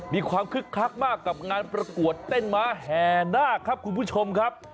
คึกคักมากกับงานประกวดเต้นม้าแห่นาคครับคุณผู้ชมครับ